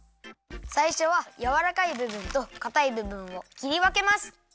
さいしょはやわらかいぶぶんとかたいぶぶんをきりわけます。